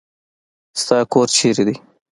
ستا کور چیرې دی؟